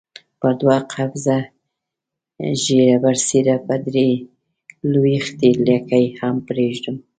پر دوه قبضه ږیره برسېره به درې لويشتې لکۍ هم پرېږدم.